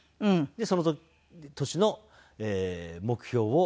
でその年の目標を。